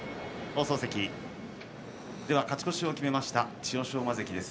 勝ち越しを決めました千代翔馬関です。